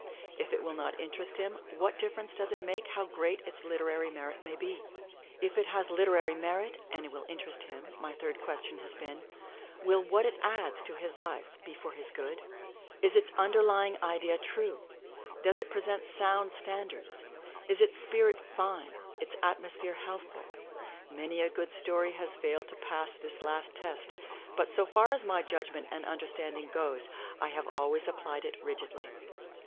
If it will not interest him, what difference does it make how great its literary merit may be? If it has literary merit and will interest him, my third question has been, "Will what it adds to his life be for his good? Is its underlying idea true, does it present sound stan dards, is its spirit fine, its atmosphere healthful?" Many a good story has failed to pass this last test, but so far as my judgment and understanding goes, I have always applied it rigidly.